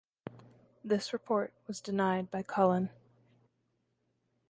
This report was denied by Cullen.